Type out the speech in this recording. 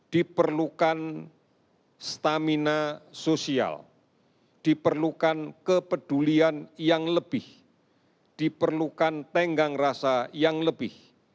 diperlukan stamina sosial diperlukan kepedulian yang lebih diperlukan tenggang rasa yang lebih